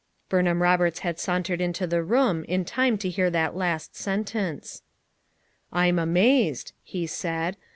Burnham Roberts had sauntered into the room in time to hear that last sentence. "I'm amazed," he said.